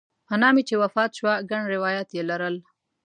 انا مې چې وفات شوه ګڼ روایات یې لرل.